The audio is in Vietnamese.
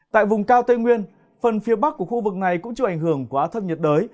tại vùng cao tây nguyên phần phía bắc của khu vực này cũng chịu ảnh hưởng của áp thấp nhiệt đới